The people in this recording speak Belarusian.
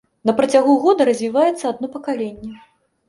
На працягу года развіваецца адно пакаленне.